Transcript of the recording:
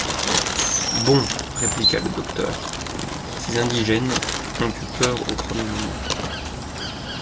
Bon! répliqua le docteur, ces indigènes ont eu peur au premier moment.